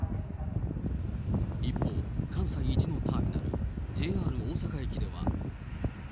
一方、関西一のターミナル、ＪＲ大阪駅では。